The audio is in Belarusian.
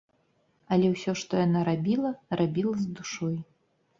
Але ўсё, што яна рабіла, рабіла з душой.